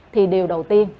thì điều đầu tiên